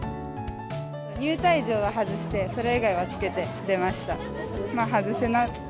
入退場は外して、それ以外は着けて出ました。